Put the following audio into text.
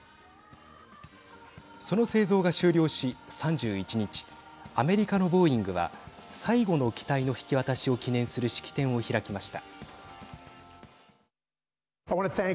その製造が終了し３１日、アメリカのボーイングは最後の機体の引き渡しを記念する式典を開きました。